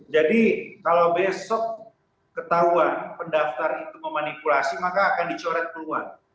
jadi kalau besok ketahuan pendaftar itu memanipulasi maka akan dicoret keluar